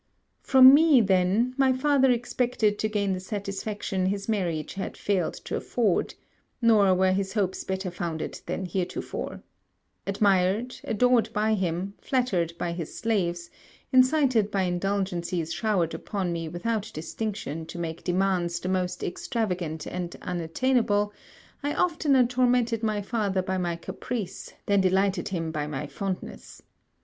From me then my father expected to gain the satisfaction his marriage had failed to afford; nor were his hopes better founded than heretofore. Admired, adored by him, flattered by his slaves, incited by indulgencies showered upon me without distinction to make demands the most extravagant and unattainable, I oftener tormented my father by my caprice than delighted him by my fondness.